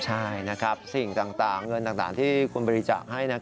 ใช่นะครับสิ่งต่างเงินต่างที่คุณบริจาคให้